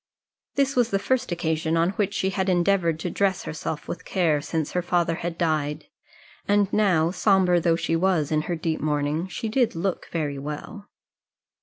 This was the first occasion on which she had endeavoured to dress herself with care since her father had died; and now, sombre though she was in her deep mourning, she did look very well.